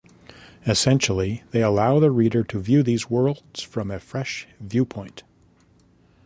Essentially, they allow the reader to view these worlds from a fresh viewpoint.